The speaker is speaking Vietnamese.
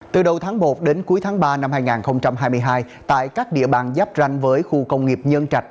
từ đầu tháng một đến cuối tháng ba năm hai nghìn hai mươi hai tại các địa bàn giáp ranh với khu công nghiệp nhân trạch